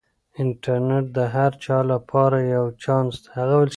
انټرنیټ د هر چا لپاره یو چانس دی.